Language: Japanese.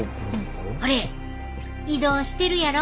ほれ移動してるやろ。